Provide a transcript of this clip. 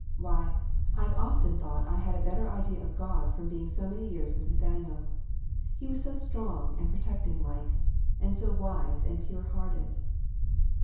Why, I've often thought I had a better idea of God from being so many years with Nathaniel. He was so strong and protecting like, and so wise and pure hearted."